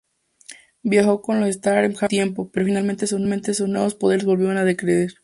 Viajó con los Starjammers un tiempo, pero finalmente sus nuevos poderes volvieron a decrecer.